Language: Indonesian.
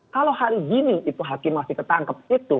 kalau hari gini itu hakim masih ketangkep itu